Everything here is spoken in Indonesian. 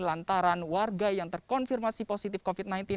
lantaran warga yang terkonfirmasi positif covid sembilan belas